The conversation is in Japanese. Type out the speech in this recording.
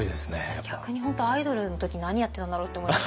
逆に本当アイドルの時何やってたんだろう？って思います。